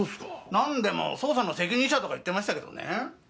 何でも捜査の責任者とか言ってましたけどね。